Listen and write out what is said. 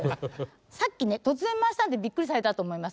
さっきね突然回したんでびっくりされたと思います。